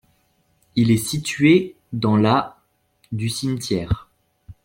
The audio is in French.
Il est situé dans la du cimetière.